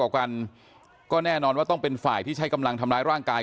โคศกรรชาวันนี้ได้นำคลิปบอกว่าเป็นคลิปที่ทางตำรวจเอามาแถลงวันนี้นะครับ